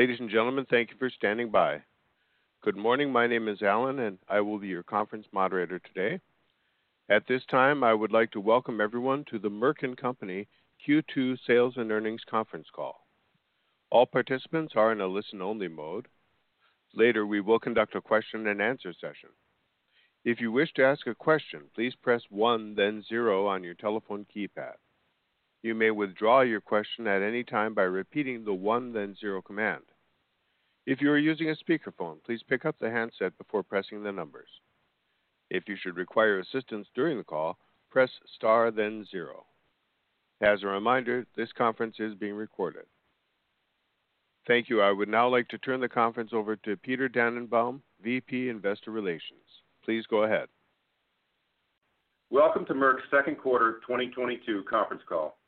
Ladies and gentlemen, thank you for standing by. Good morning. My name is Allen, and I will be your conference moderator today. At this time, I would like to welcome everyone to the Merck & Co. Q2 Sales and Earnings Conference Call. All participants are in a listen-only mode. Later, we will conduct a question-and-answer session. If you wish to ask a question, please press one then zero on your telephone keypad. You may withdraw your question at any time by repeating the one then zero command. If you are using a speakerphone, please pick up the handset before pressing the numbers. If you should require assistance during the call, press star then zero. As a reminder, this conference is being recorded. Thank you. I would now like to turn the conference over to Peter Dannenbaum, VP, Investor Relations. Please go ahead. Welcome to Merck's Q2 2022 conference call.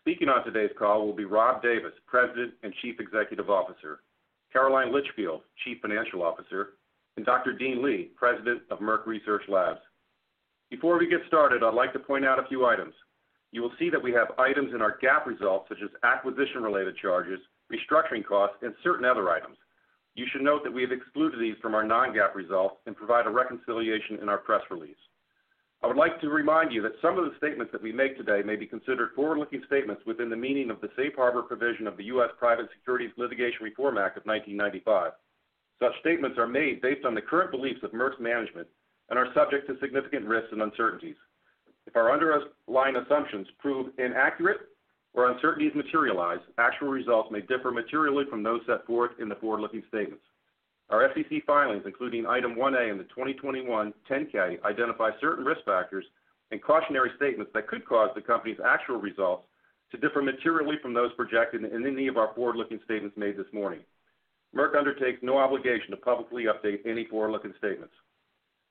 Speaking on today's call will be Rob Davis, President and Chief Executive Officer, Caroline Litchfield, Chief Financial Officer, and Dr. Dean Y. Li, President, Merck Research Laboratories. Before we get started, I'd like to point out a few items. You will see that we have items in our GAAP results, such as acquisition-related charges, restructuring costs, and certain other items. You should note that we have excluded these from our non-GAAP results and provide a reconciliation in our press release. I would like to remind you that some of the statements that we make today may be considered forward-looking statements within the meaning of the Safe Harbor provision of the U.S. Private Securities Litigation Reform Act of 1995. Such statements are made based on the current beliefs of Merck's management and are subject to significant risks and uncertainties. If our underlying assumptions prove inaccurate or uncertainties materialize, actual results may differ materially from those set forth in the forward-looking statements. Our SEC filings, including Item 1A in the 2021 10-K, identify certain risk factors and cautionary statements that could cause the company's actual results to differ materially from those projected in any of our forward-looking statements made this morning. Merck undertakes no obligation to publicly update any forward-looking statements.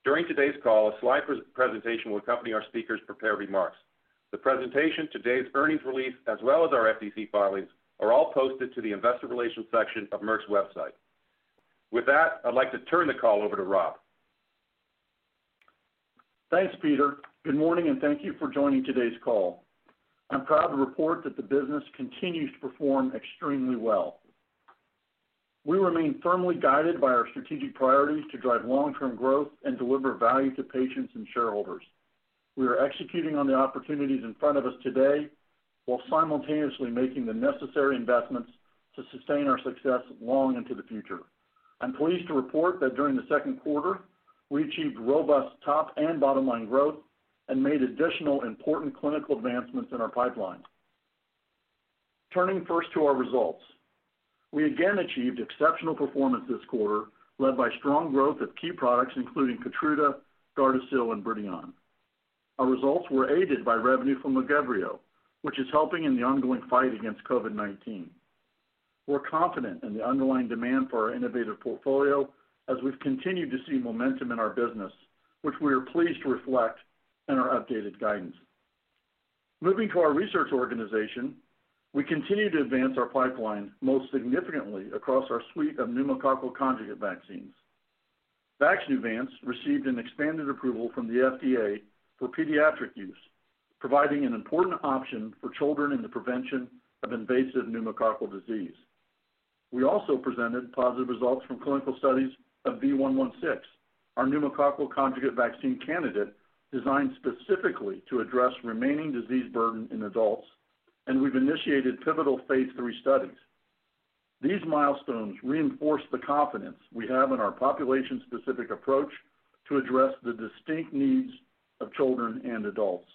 During today's call, a slide presentation will accompany our speakers' prepared remarks. The presentation, today's earnings release, as well as our SEC filings, are all posted to the investor relations section of Merck's website. With that, I'd like to turn the call over to Rob. Thanks, Peter. Good morning, and thank you for joining today's call. I'm proud to report that the business continues to perform extremely well. We remain firmly guided by our strategic priorities to drive long-term growth and deliver value to patients and shareholders. We are executing on the opportunities in front of us today while simultaneously making the necessary investments to sustain our success long into the future. I'm pleased to report that during the Q2, we achieved robust top and bottom line growth and made additional important clinical advancements in our pipeline. Turning first to our results. We again achieved exceptional performance this quarter, led by strong growth of key products including KEYTRUDA, GARDASIL, and BRIDION. Our results were aided by revenue from LAGEVRIO, which is helping in the ongoing fight against COVID-19. We're confident in the underlying demand for our innovative portfolio as we've continued to see momentum in our business, which we are pleased to reflect in our updated guidance. Moving to our research organization, we continue to advance our pipeline, most significantly across our suite of pneumococcal conjugate vaccines. VAXNEUVANCE received an expanded approval from the FDA for pediatric use, providing an important option for children in the prevention of invasive pneumococcal disease. We also presented positive results from clinical studies of V116, our pneumococcal conjugate vaccine candidate designed specifically to address remaining disease burden in adults, and we've initiated pivotal Phase III studies. These milestones reinforce the confidence we have in our population-specific approach to address the distinct needs of children and adults.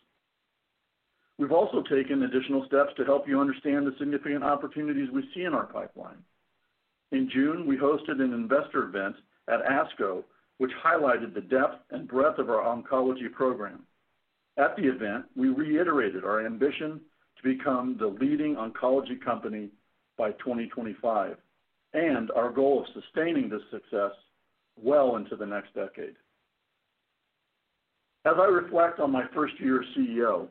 We've also taken additional steps to help you understand the significant opportunities we see in our pipeline. In June, we hosted an investor event at ASCO, which highlighted the depth and breadth of our oncology program. At the event, we reiterated our ambition to become the leading oncology company by 2025, and our goal of sustaining this success well into the next decade. As I reflect on my first year as CEO,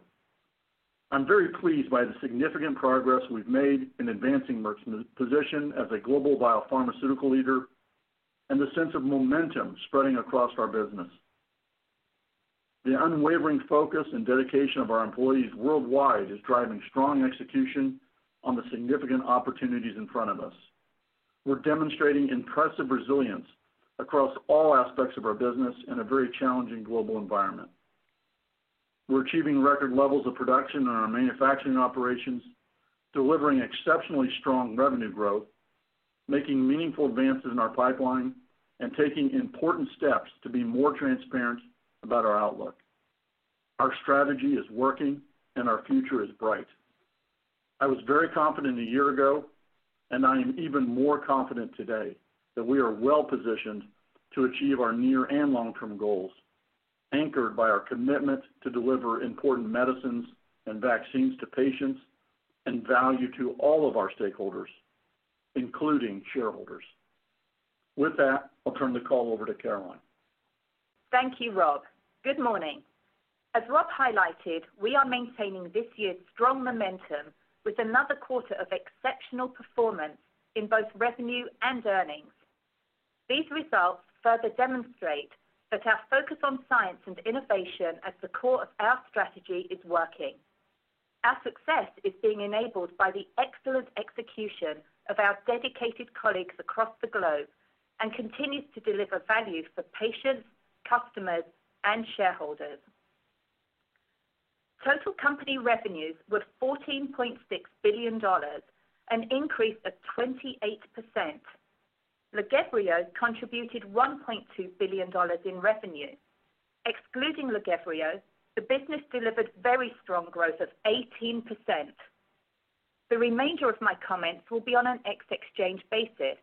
I'm very pleased by the significant progress we've made in advancing Merck's position as a global biopharmaceutical leader and the sense of momentum spreading across our business. The unwavering focus and dedication of our employees worldwide is driving strong execution on the significant opportunities in front of us. We're demonstrating impressive resilience across all aspects of our business in a very challenging global environment. We're achieving record levels of production in our manufacturing operations, delivering exceptionally strong revenue growth, making meaningful advances in our pipeline, and taking important steps to be more transparent about our outlook. Our strategy is working, and our future is bright. I was very confident a year ago, and I am even more confident today that we are well-positioned to achieve our near and long-term goals, anchored by our commitment to deliver important medicines and vaccines to patients and value to all of our stakeholders, including shareholders. With that, I'll turn the call over to Caroline. Thank you, Rob. Good morning. As Rob highlighted, we are maintaining this year's strong momentum with another quarter of exceptional performance in both revenue and earnings. These results further demonstrate that our focus on science and innovation as the core of our strategy is working. Our success is being enabled by the excellent execution of our dedicated colleagues across the globe and continues to deliver value for patients, customers, and shareholders. Total company revenues were $14.6 billion, an increase of 28%. Lynparza contributed $1.2 billion in revenue. Excluding Lynparza, the business delivered very strong growth of 18%. The remainder of my comments will be on an ex-Lynparza basis.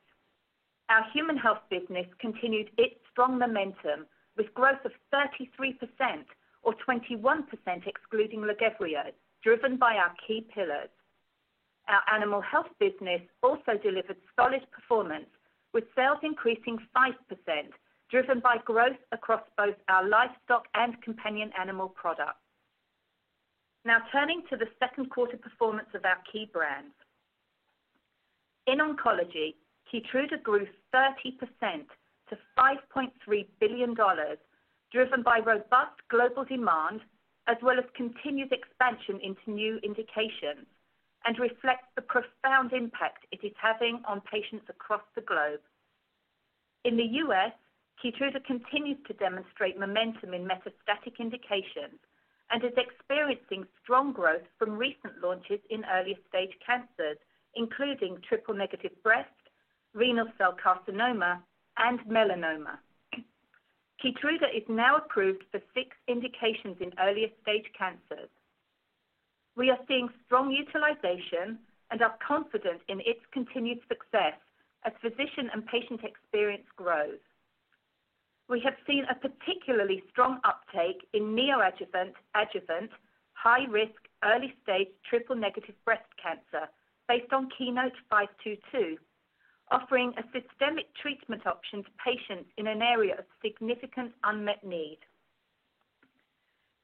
Our human health business continued its strong momentum with growth of 33% or 21% excluding Lynparza, driven by our key pillars. Our animal health business also delivered solid performance, with sales increasing 5%, driven by growth across both our livestock and companion animal products. Now turning to the Q2 performance of our key brands. In oncology, Keytruda grew 30% to $5.3 billion, driven by robust global demand as well as continued expansion into new indications and reflects the profound impact it is having on patients across the globe. In the U.S., Keytruda continues to demonstrate momentum in metastatic indications and is experiencing strong growth from recent launches in earlier stage cancers, including triple-negative breast, renal cell carcinoma, and melanoma. Keytruda is now approved for 6 indications in earlier stage cancers. We are seeing strong utilization and are confident in its continued success as physician and patient experience grows. We have seen a particularly strong uptake in neoadjuvant, adjuvant, high risk, early stage triple negative breast cancer based on KEYNOTE-522, offering a systemic treatment option to patients in an area of significant unmet need.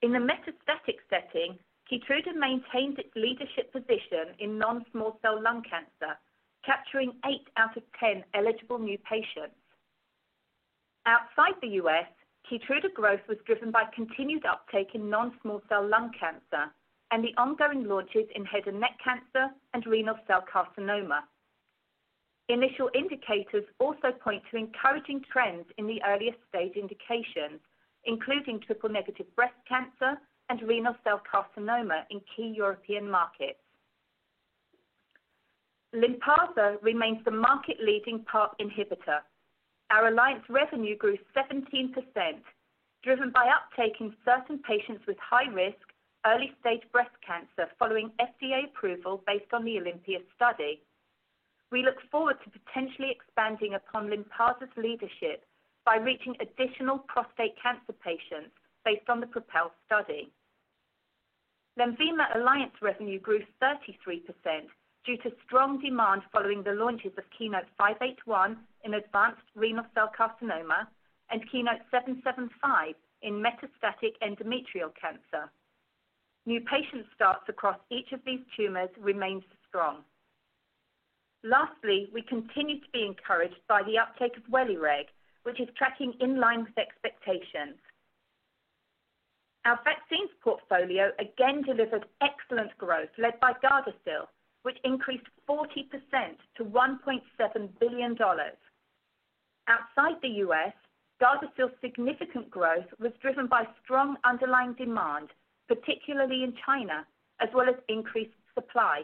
In the metastatic setting, Keytruda maintains its leadership position in non-small cell lung cancer, capturing eight out of ten eligible new patients. Outside the U.S., Keytruda growth was driven by continued uptake in non-small cell lung cancer and the ongoing launches in head and neck cancer and renal cell carcinoma. Initial indicators also point to encouraging trends in the earlier stage indications, including triple negative breast cancer and renal cell carcinoma in key European markets. Lynparza remains the market leading PARP inhibitor. Our alliance revenue grew 17%, driven by uptake in certain patients with high risk, early stage breast cancer following FDA approval based on the OlympiA study. We look forward to potentially expanding upon Lynparza's leadership by reaching additional prostate cancer patients based on the PROpel study. Lenvima alliance revenue grew 33% due to strong demand following the launches of KEYNOTE-581 in advanced renal cell carcinoma and KEYNOTE-775 in metastatic endometrial cancer. New patient starts across each of these tumors remains strong. Lastly, we continue to be encouraged by the uptake of Welireg, which is tracking in line with expectations. Our vaccines portfolio again delivered excellent growth led by GARDASIL, which increased 40% to $1.7 billion. Outside the U.S., GARDASIL's significant growth was driven by strong underlying demand, particularly in China, as well as increased supply.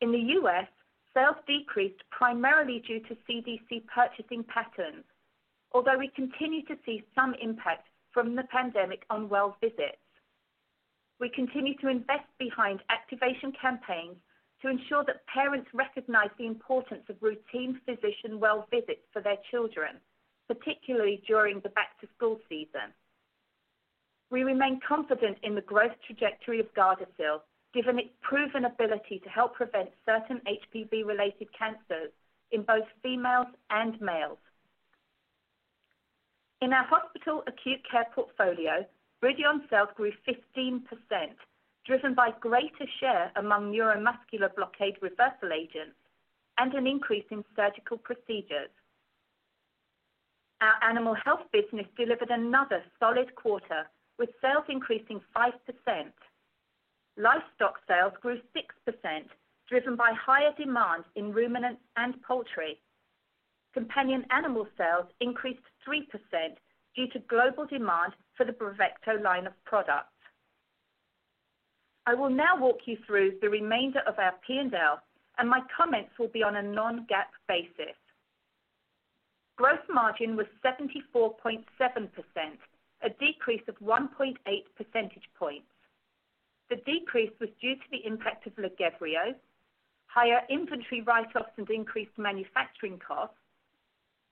In the U.S., sales decreased primarily due to CDC purchasing patterns, although we continue to see some impact from the pandemic on well visits. We continue to invest behind activation campaigns to ensure that parents recognize the importance of routine physician well visits for their children, particularly during the back-to-school season. We remain confident in the growth trajectory of GARDASIL, given its proven ability to help prevent certain HPV-related cancers in both females and males. In our hospital acute care portfolio, BRIDION sales grew 15%, driven by greater share among neuromuscular blockade reversal agents and an increase in surgical procedures. Our animal health business delivered another solid quarter with sales increasing 5%. Livestock sales grew 6%, driven by higher demand in ruminants and poultry. Companion animal sales increased 3% due to global demand for the Bravecto line of products. I will now walk you through the remainder of our P&L, and my comments will be on a non-GAAP basis. Gross margin was 74.7%, a decrease of 1.8 percentage points. The decrease was due to the impact of Lynparza, higher inventory write-offs and increased manufacturing costs,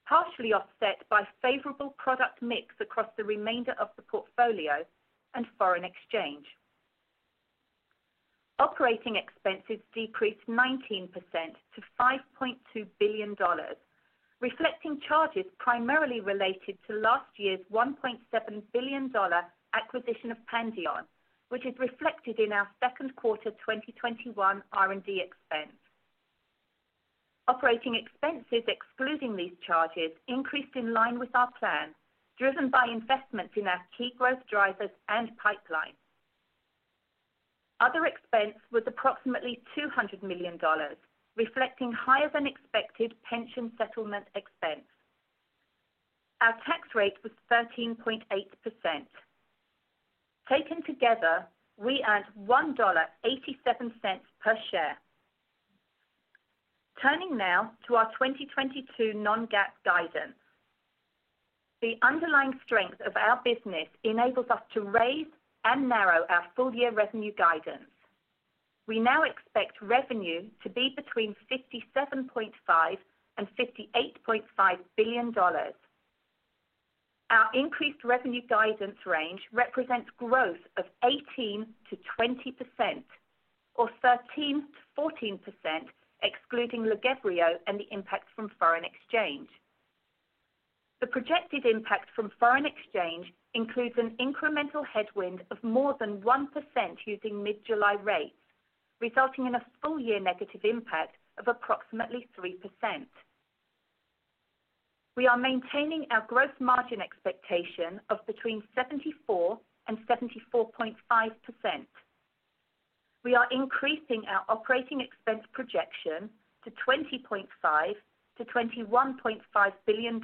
partially offset by favorable product mix across the remainder of the portfolio and foreign exchange. Operating expenses decreased 19% to $5.2 billion, reflecting charges primarily related to last year's $1.7 billion acquisition of Pandion, which is reflected in our Q2 2021 R&D expense. Operating expenses excluding these charges increased in line with our plan, driven by investments in our key growth drivers and pipeline. Other expense was approximately $200 million, reflecting higher than expected pension settlement expense. Our tax rate was 13.8%. Taken together, we earned $1.87 per share. Turning now to our 2022 non-GAAP guidance. The underlying strength of our business enables us to raise and narrow our full year revenue guidance. We now expect revenue to be between $57.5 billion and $58.5 billion. Our increased revenue guidance range represents growth of 18%-20% or 13%-14% excluding LAGEVRIO and the impact from foreign exchange. The projected impact from foreign exchange includes an incremental headwind of more than 1% using mid-July rates, resulting in a full year negative impact of approximately 3%. We are maintaining our gross margin expectation of between 74% and 74.5%. We are increasing our operating expense projection to $20.5 billion-$21.5 billion,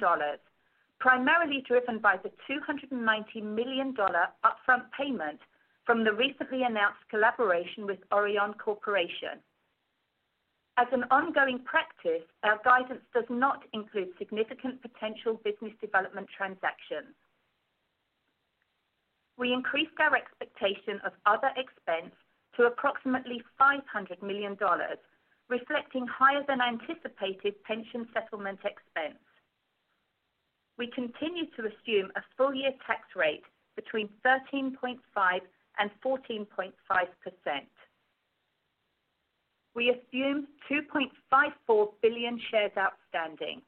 primarily driven by the $290 million upfront payment from the recently announced collaboration with Orion Corporation. As an ongoing practice, our guidance does not include significant potential business development transactions. We increased our expectation of other expense to approximately $500 million, reflecting higher than anticipated pension settlement expense. We continue to assume a full year tax rate between 13.5%-14.5%. We assume 2.54 billion shares outstanding.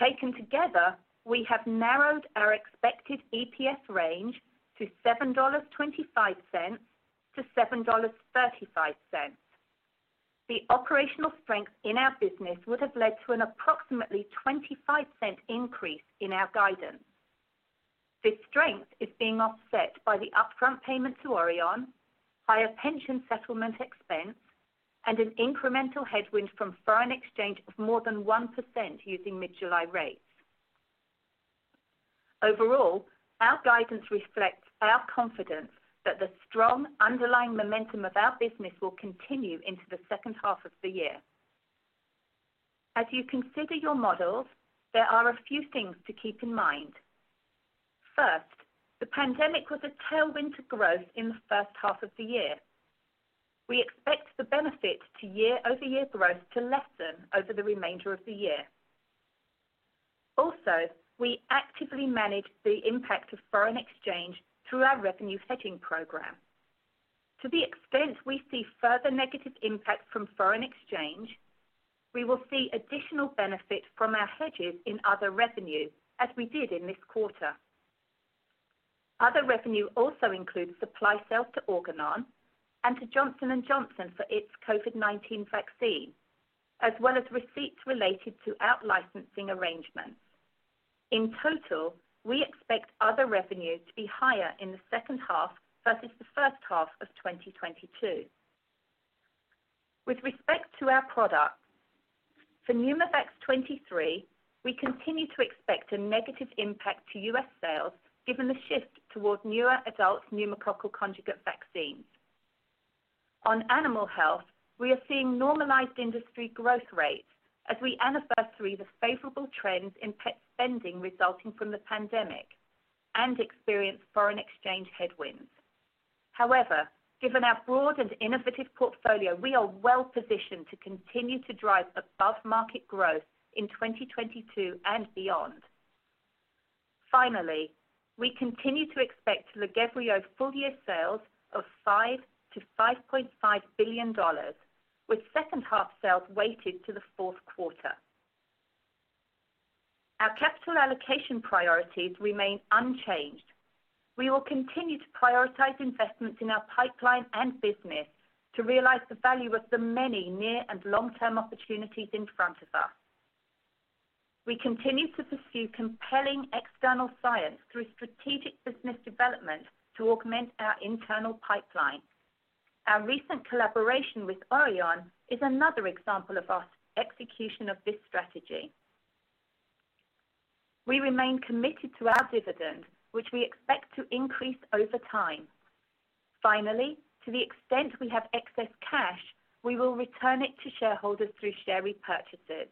Taken together, we have narrowed our expected EPS range to $7.25-$7.35. The operational strength in our business would have led to an approximately $0.25 increase in our guidance. This strength is being offset by the upfront payment to Orion, higher pension settlement expense, and an incremental headwind from foreign exchange of more than 1% using mid-July rates. Overall, our guidance reflects our confidence that the strong underlying momentum of our business will continue into the second half of the year. As you consider your models, there are a few things to keep in mind. First, the pandemic was a tailwind to growth in the first half of the year. We expect the benefit to year-over-year growth to lessen over the remainder of the year. Also, we actively manage the impact of foreign exchange through our revenue hedging program. To the extent we see further negative impact from foreign exchange, we will see additional benefit from our hedges in other revenue, as we did in this quarter. Other revenue also includes supply sales to Organon and to Johnson & Johnson for its COVID-19 vaccine, as well as receipts related to out-licensing arrangements. In total, we expect other revenue to be higher in the second half versus the first half of 2022. With respect to our products, for PNEUMOVAX 23, we continue to expect a negative impact to US sales given the shift towards newer adult pneumococcal conjugate vaccines. On animal health, we are seeing normalized industry growth rates as we anniversary the favorable trends in pet spending resulting from the pandemic and experience foreign exchange headwinds. However, given our broad and innovative portfolio, we are well-positioned to continue to drive above-market growth in 2022 and beyond. Finally, we continue to expect LAGEVRIO full year sales of $5 billion-$5.5 billion, with second half sales weighted to the Q4. Our capital allocation priorities remain unchanged. We will continue to prioritize investments in our pipeline and business to realize the value of the many near and long-term opportunities in front of us. We continue to pursue compelling external science through strategic business development to augment our internal pipeline. Our recent collaboration with Orion is another example of our execution of this strategy. We remain committed to our dividend, which we expect to increase over time. Finally, to the extent we have excess cash, we will return it to shareholders through share repurchases.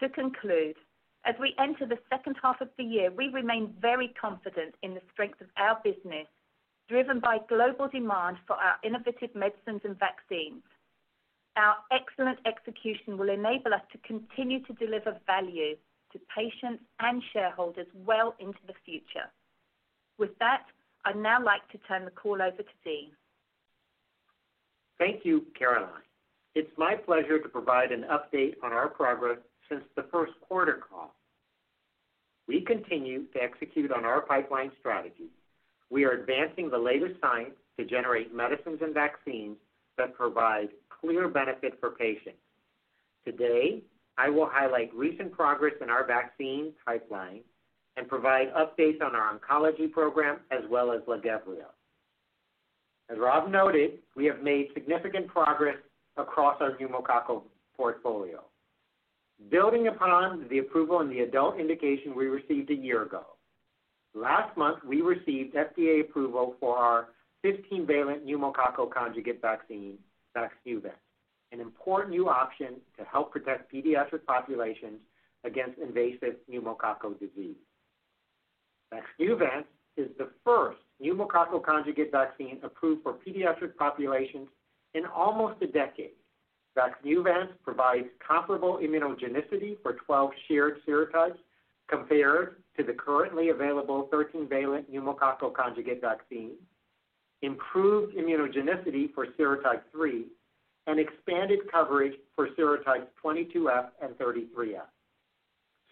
To conclude, as we enter the second half of the year, we remain very confident in the strength of our business, driven by global demand for our innovative medicines and vaccines. Our excellent execution will enable us to continue to deliver value to patients and shareholders well into the future. With that, I'd now like to turn the call over to Dean. Thank you, Caroline. It's my pleasure to provide an update on our progress since theQ1 call. We continue to execute on our pipeline strategy. We are advancing the latest science to generate medicines and vaccines that provide clear benefit for patients. Today, I will highlight recent progress in our vaccine pipeline and provide updates on our oncology program as well as Lynparza. As Rob noted, we have made significant progress across our pneumococcal portfolio. Building upon the approval in the adult indication we received a year ago, last month, we received FDA approval for our 15-valent pneumococcal conjugate vaccine, VAXNEUVANCE, an important new option to help protect pediatric populations against invasive pneumococcal disease. VAXNEUVANCE is the first pneumococcal conjugate vaccine approved for pediatric populations in almost a decade. VAXNEUVANCE provides comparable immunogenicity for 12 shared serotypes compared to the currently available 13-valent pneumococcal conjugate vaccine, improved immunogenicity for serotype 3, and expanded coverage for serotypes 22F and 33F.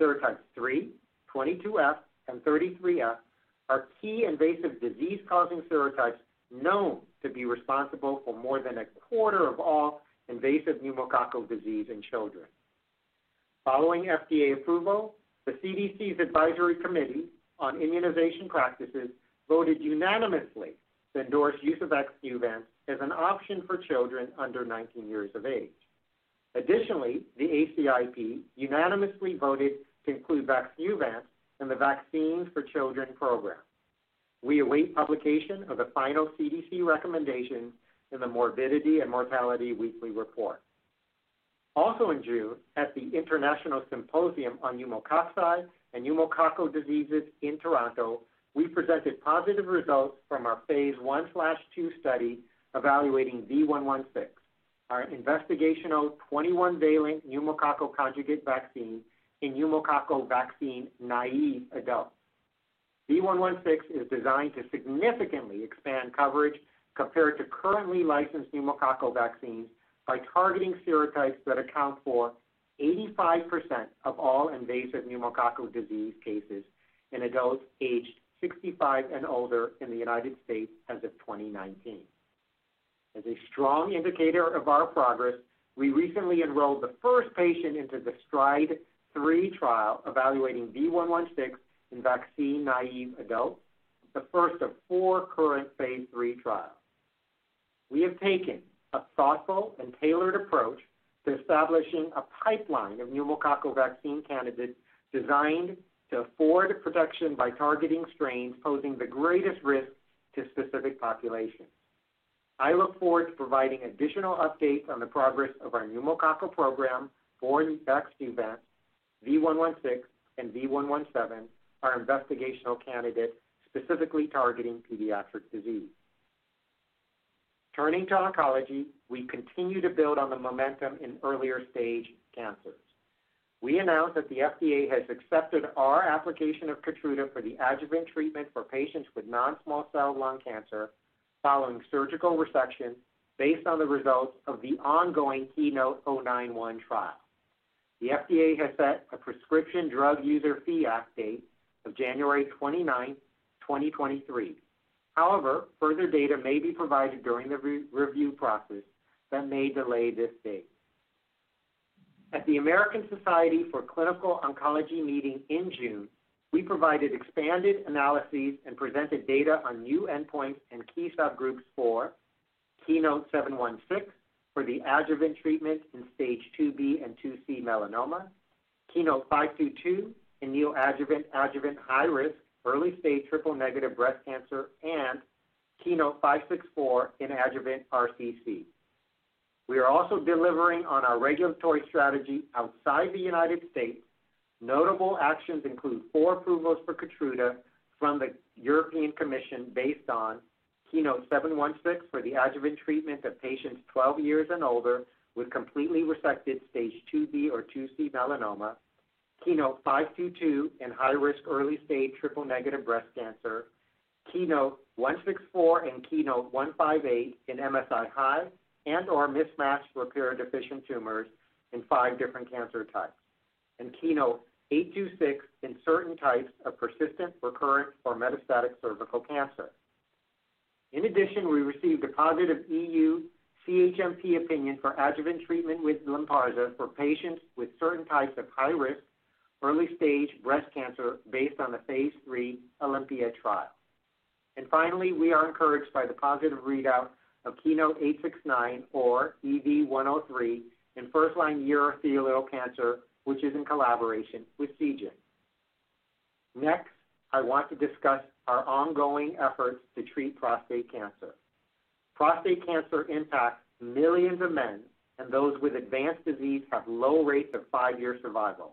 Serotypes 3, 22F, and 33F are key invasive disease-causing serotypes known to be responsible for more than a quarter of all invasive pneumococcal disease in children. Following FDA approval, the CDC's Advisory Committee on Immunization Practices voted unanimously to endorse use of VAXNEUVANCE as an option for children under 19 years of age. Additionally, the ACIP unanimously voted to include VAXNEUVANCE in the Vaccines for Children program. We await publication of the final CDC recommendation in the Morbidity and Mortality Weekly Report. Also in June, at the International Symposium on Pneumococci and Pneumococcal Diseases in Toronto, we presented positive results from our Phase 1/2 study evaluating V116, our investigational 21-valent pneumococcal conjugate vaccine in pneumococcal vaccine naive adults. V116 is designed to significantly expand coverage compared to currently licensed pneumococcal vaccines by targeting serotypes that account for 85% of all invasive pneumococcal disease cases in adults aged 65 and older in the United States as of 2019. As a strong indicator of our progress, we recently enrolled the first patient into the STRIDE-3 trial evaluating V116 in vaccine naive adults, the first of 4 current Phase III trials. We have taken a thoughtful and tailored approach to establishing a pipeline of pneumococcal vaccine candidates designed to afford protection by targeting strains posing the greatest risk to specific populations. I look forward to providing additional updates on the progress of our pneumococcal program for VAXNEUVANCE, V116, and V117, our investigational candidate specifically targeting pediatric disease. Turning to oncology, we continue to build on the momentum in earlier stage cancers. We announced that the FDA has accepted our application of KEYTRUDA for the adjuvant treatment for patients with non-small cell lung cancer following surgical resection based on the results of the ongoing KEYNOTE-091 trial. The FDA has set a Prescription Drug User Fee Act date of January 29, 2023. However, further data may be provided during the re-review process that may delay this date. At the American Society of Clinical Oncology meeting in June, we provided expanded analyses and presented data on new endpoints and key subgroups for KEYNOTE-716 for the adjuvant treatment in stage 2B and 2C melanoma, KEYNOTE-522 in neoadjuvant, adjuvant high-risk early-stage triple-negative breast cancer, and KEYNOTE-564 in adjuvant RCC. We are also delivering on our regulatory strategy outside the United States. Notable actions include four approvals for KEYTRUDA from the European Commission based on KEYNOTE-716 for the adjuvant treatment of patients 12 years and older with completely resected stage 2B or 2C melanoma. KEYNOTE-522 in high-risk early-stage triple-negative breast cancer, KEYNOTE-164 and KEYNOTE-158 in MSI-High and/or mismatch repair deficient tumors in five different cancer types. KEYNOTE-826 in certain types of persistent, recurrent, or metastatic cervical cancer. In addition, we received a positive EU CHMP opinion for adjuvant treatment with Lynparza for patients with certain types of high risk early stage breast cancer based on the Phase III OlympiA trial. Finally, we are encouraged by the positive readout of KEYNOTE-869 or EV-103 in first-line urothelial cancer, which is in collaboration with Seagen. Next, I want to discuss our ongoing efforts to treat prostate cancer. Prostate cancer impacts millions of men, and those with advanced disease have low rates of five-year survival.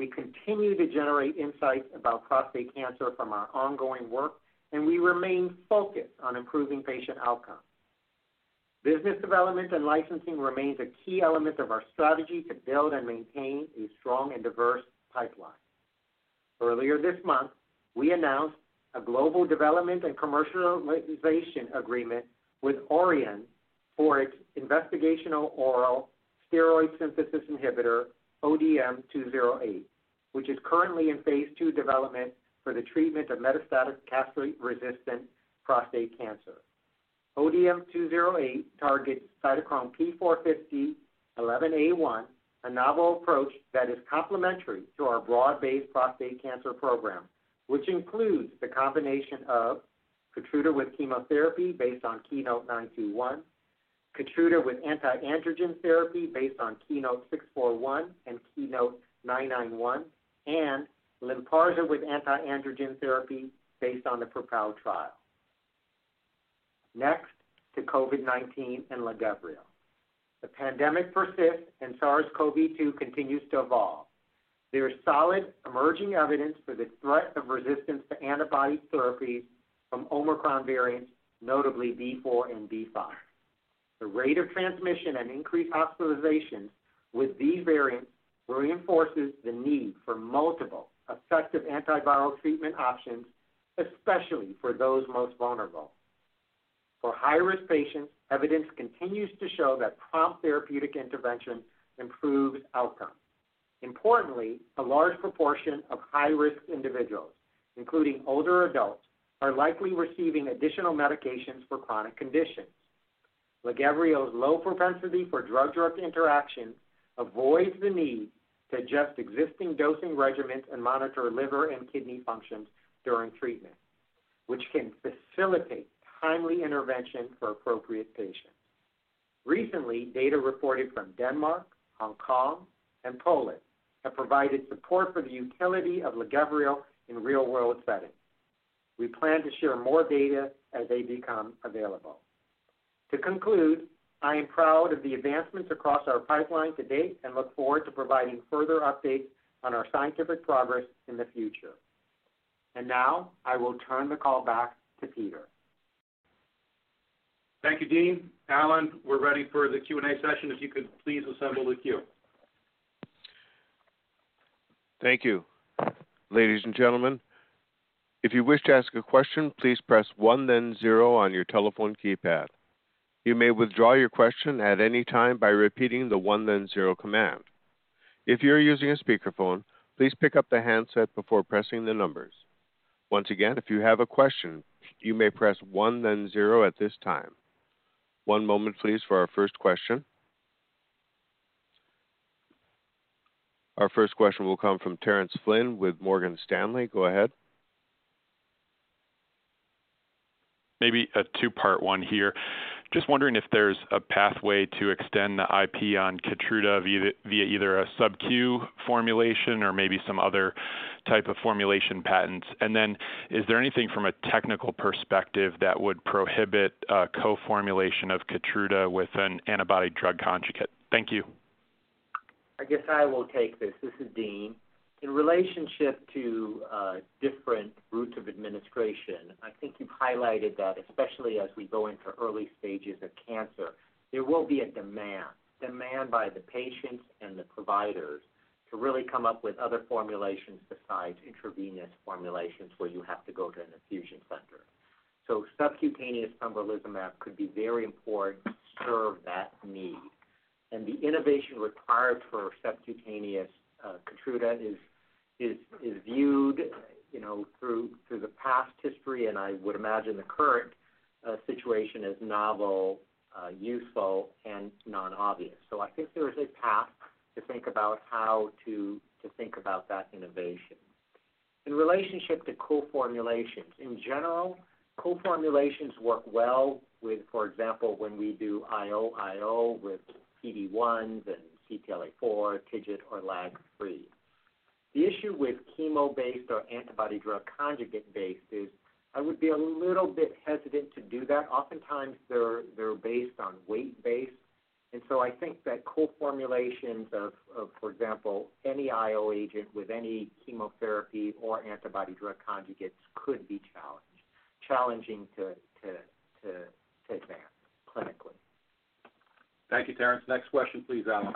We continue to generate insights about prostate cancer from our ongoing work, and we remain focused on improving patient outcomes. Business development and licensing remains a key element of our strategy to build and maintain a strong and diverse pipeline. Earlier this month, we announced a global development and commercialization agreement with Orion for its investigational oral steroid synthesis inhibitor, ODM-208, which is currently in Phase II development for the treatment of metastatic castration-resistant prostate cancer. ODM-208 targets cytochrome P450 11A1, a novel approach that is complementary to our broad-based prostate cancer program, which includes the combination of Keytruda with chemotherapy based on KEYNOTE-921, Keytruda with anti-androgen therapy based on KEYNOTE-641 and KEYNOTE-991, and Lynparza with anti-androgen therapy based on the PROPEL trial. Next to COVID-19 and LAGEVRIO. The pandemic persists and SARS-CoV-2 continues to evolve. There is solid emerging evidence for the threat of resistance to antibody therapies from Omicron variants, notably BA.4 and BA.5. The rate of transmission and increased hospitalizations with these variants reinforces the need for multiple effective antiviral treatment options, especially for those most vulnerable. For high-risk patients, evidence continues to show that prompt therapeutic intervention improves outcomes. Importantly, a large proportion of high-risk individuals, including older adults, are likely receiving additional medications for chronic conditions. LAGEVRIO's low propensity for drug-drug interactions avoids the need to adjust existing dosing regimens and monitor liver and kidney functions during treatment, which can facilitate timely intervention for appropriate patients. Recently, data reported from Denmark, Hong Kong, and Poland have provided support for the utility of LAGEVRIO in real-world settings. We plan to share more data as they become available. To conclude, I am proud of the advancements across our pipeline to date and look forward to providing further updates on our scientific progress in the future. Now, I will turn the call back to Peter. Thank you, Dean. Alan, we're ready for the Q&A session. If you could please assemble the queue. Thank you. Ladies and gentlemen, if you wish to ask a question, please press one then zero on your telephone keypad. You may withdraw your question at any time by repeating the one then zero command. If you're using a speakerphone, please pick up the handset before pressing the numbers. Once again, if you have a question, you may press one then zero at this time. One moment, please, for our first question. Our first question will come from Terence Flynn with Morgan Stanley. Go ahead. Maybe a two-part one here. Just wondering if there's a pathway to extend the IP on Keytruda via either a sub-Q formulation or maybe some other type of formulation patents. Is there anything from a technical perspective that would prohibit a co-formulation of Keytruda with an antibody drug conjugate? Thank you. I guess I will take this. This is Dean Li. In relationship to different routes of administration, I think you've highlighted that especially as we go into early stages of cancer, there will be a demand by the patients and the providers to really come up with other formulations besides intravenous formulations where you have to go to an infusion center. Subcutaneous pembrolizumab could be very important to serve that need. The innovation required for subcutaneous Keytruda is viewed, through the past history, and I would imagine the current situation as novel, useful and non-obvious. I think there is a path to think about how to think about that innovation. In relationship to co-formulations, in general, co-formulations work well with, for example, when we do IO/IO with PD-1s and CTLA-4, TIGIT or LAG-3. The issue with chemo-based or antibody drug conjugate-based is I would be a little bit hesitant to do that. Oftentimes, they're based on weight-based. I think that co-formulations of, for example, any IO agent with any chemotherapy or antibody drug conjugates could be challenging to advance clinically. Thank you, Terence. Next question, please, Allen.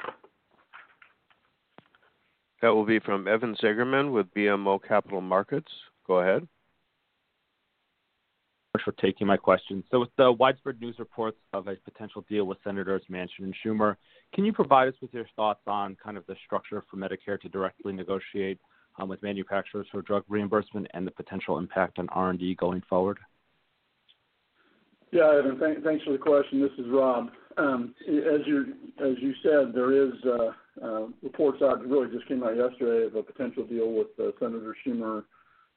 That will be from Evan Seigerman with BMO Capital Markets. Go ahead. Thanks for taking my question. With the widespread news reports of a potential deal with Senators Manchin and Schumer, can you provide us with your thoughts on kind of the structure for Medicare to directly negotiate with manufacturers for drug reimbursement and the potential impact on R&D going forward? Yeah. Evan, thanks for the question. This is Rob. As you said, there is reports that really just came out yesterday of a potential deal with Senator Schumer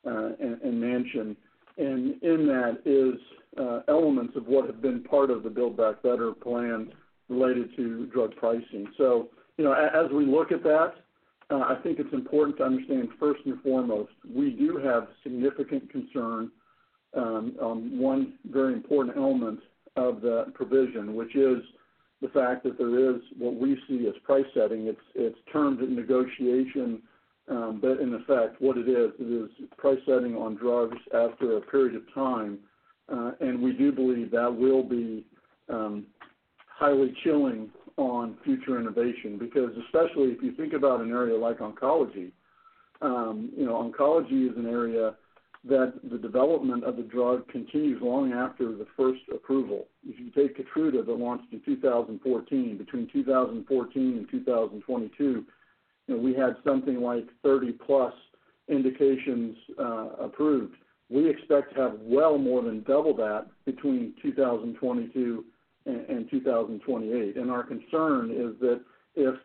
and Manchin. In that is elements of what have been part of the Build Back Better plan related to drug pricing. As we look at that, I think it's important to understand first and foremost, we do have significant concern on one very important element of that provision, which is the fact that there is what we see as price setting. It's termed in negotiation, but in effect, what it is price setting on drugs after a period of time. We do believe that will be highly chilling on future innovation, because especially if you think about an area like oncology, oncology is an area that the development of the drug continues long after the first approval. If you take KEYTRUDA that launched in 2014, between 2014 and 2022, we had something like 30+ indications approved. We expect to have well more than double that between 2022 and 2028. Our concern is that if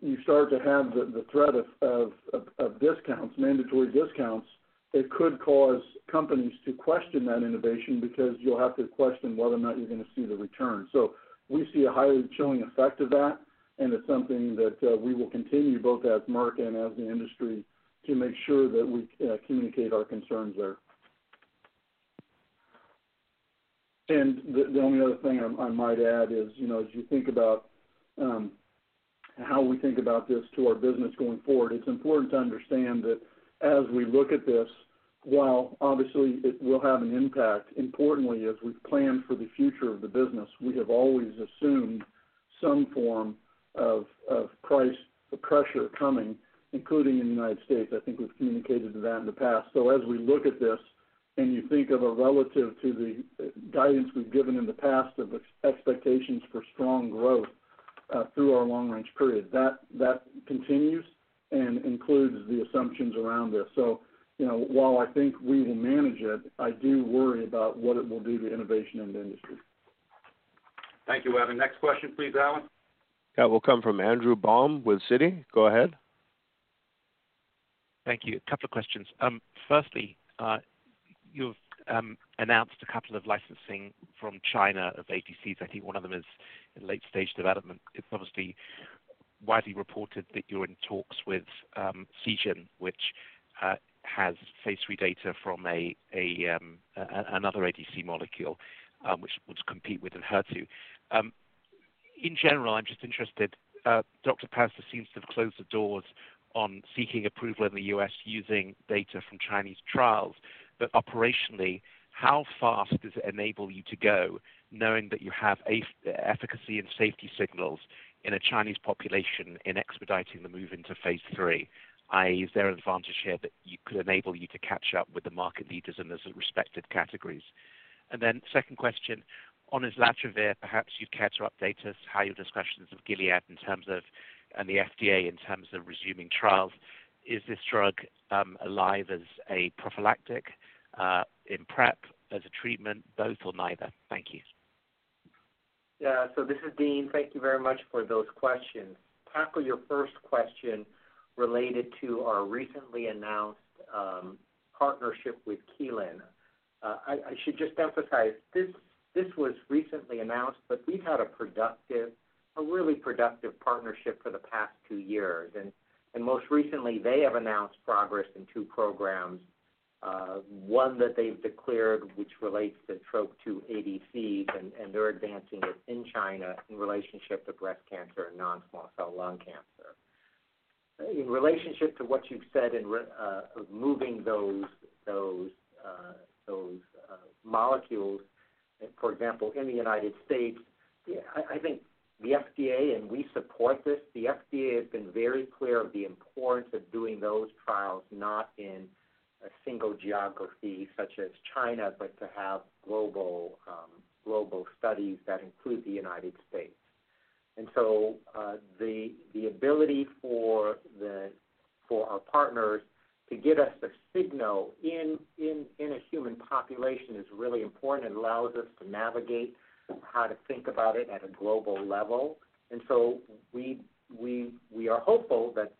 you start to have the threat of discounts, mandatory discounts, it could cause companies to question that innovation because you'll have to question whether or not you're gonna see the return. We see a highly chilling effect of that, and it's something that we will continue both as Merck and as the industry to make sure that we communicate our concerns there. The only other thing I might add is, you as you think about how we think about this, too, our business going forward, it's important to understand that as we look at this, while obviously it will have an impact, importantly, as we plan for the future of the business, we have always assumed some form of price pressure coming, including in the United States. I think we've communicated that in the past. As we look at this and you think of relative to the guidance we've given in the past of expectations for strong growth through our long-range period, that continues and includes the assumptions around this. While I think we will manage it, I do worry about what it will do to innovation in the industry. Thank you, Evan. Next question please, Allen. Yeah. Will come from Andrew Baum with Citi. Go ahead. Thank you. A couple of questions. Firstly, you've announced a couple of licensing from China of ADCs. I think one of them is in late stage development. It's obviously widely reported that you're in talks with Seagen, which has phase III data from another ADC molecule, which would compete with Enhertu. In general, I'm just interested. Dr. Pazdur seems to have closed the doors on seeking approval in the U.S. using data from Chinese trials. Operationally, how fast does it enable you to go knowing that you have efficacy and safety signals in a Chinese population in expediting the move into phase III, i.e., is there an advantage here that you could enable you to catch up with the market leaders in those respective categories? Second question, on islatravir, perhaps you'd care to update us how your discussions with Gilead in terms of and the FDA in terms of resuming trials. Is this drug alive as a prophylactic in PrEP, as a treatment, both or neither? Thank you. Yeah. This is Dean. Thank you very much for those questions. Tackle your first question related to our recently announced partnership with Kelun-Biotech. I should just emphasize this was recently announced, but we've had a really productive partnership for the past two years. Most recently, they have announced progress in two programs, one that they've declared, which relates to Trop-2 ADCs, and they're advancing it in China in relationship to breast cancer and non-small cell lung cancer. In relationship to what you've said of moving those molecules, for example, in the United States, I think the FDA, and we support this, the FDA has been very clear of the importance of doing those trials not in a single geography such as China, but to have global studies that include the United States. The ability for our partners to give us a signal in a human population is really important. It allows us to navigate how to think about it at a global level. We are hopeful that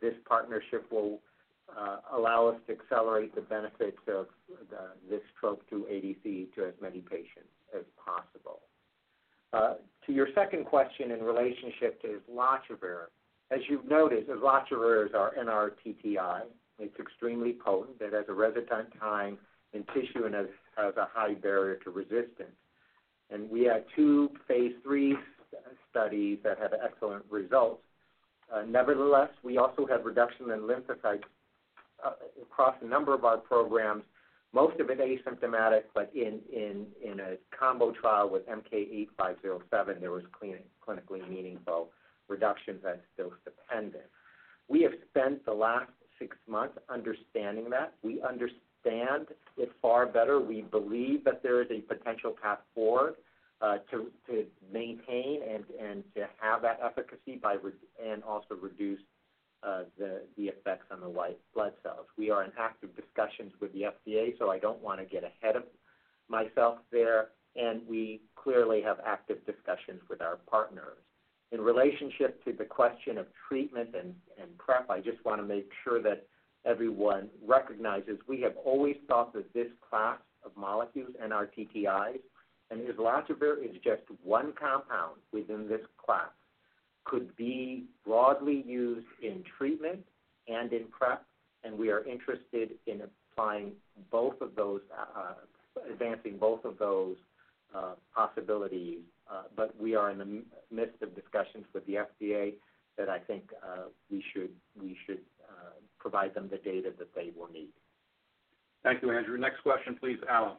this partnership will allow us to accelerate the benefits of this Trop-2 ADC to as many patients as possible. To your second question in relationship to islatravir. As you've noticed, islatravir is our NRTTI. It's extremely potent. It has a residence time in tissue and a high barrier to resistance. We had two Phase III studies that had excellent results. Nevertheless, we also had reduction in lymphocytes across a number of our programs, most of it asymptomatic, but in a combo trial with MK-8507, there was clinically meaningful reductions that's dose dependent. We have spent the last 6 months understanding that. We understand it far better. We believe that there is a potential path forward, to maintain and to have that efficacy by and also reduce the effects on the white blood cells. We are in active discussions with the FDA, so I don't wanna get ahead of myself there, and we clearly have active discussions with our partners. In relationship to the question of treatment and PrEP, I just wanna make sure that everyone recognizes we have always thought that this class of molecules, NRTTIs, and islatravir is just one compound within this class, could be broadly used in treatment and in PrEP, and we are interested in applying both of those, advancing both of those, possibilities. We are in the midst of discussions with the FDA that I think we should provide them the data that they will need. Thank you, Andrew. Next question, please, Allen.